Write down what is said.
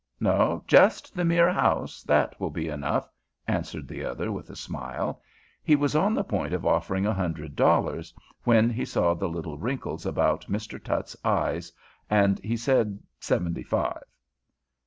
"No, just the mere house. That will be enough," answered the other with a smile. He was on the point of offering a hundred dollars, when he saw the little wrinkles about Mr. Tutt's eyes, and he said seventy five.